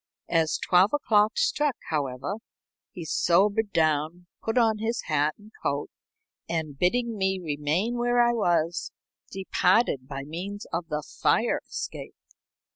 As twelve o'clock struck, however, he sobered down, put on his hat and coat, and, bidding me remain where I was, departed by means of the fire escape.